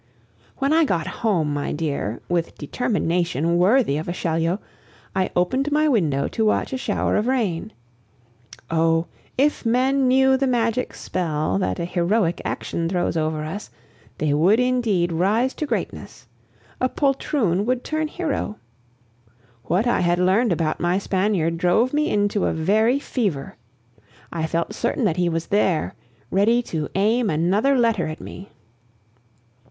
When I got home, my dear, with determination worthy of a Chaulieu, I opened my window to watch a shower of rain. Oh! if men knew the magic spell that a heroic action throws over us, they would indeed rise to greatness! a poltroon would turn hero! What I had learned about my Spaniard drove me into a very fever. I felt certain that he was there, ready to aim another letter at me.